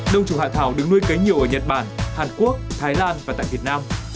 đồng trùng hạ thảo đứng nuôi kế nhiều ở nhật bản hàn quốc thái lan và tại việt nam